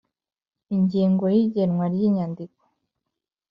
Ingingo ya igenwa ry inyandiko